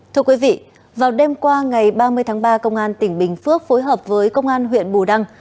thưa quý vị vào đêm qua ngày ba mươi tháng ba công an tỉnh bình phước phối hợp với công an huyện bù đăng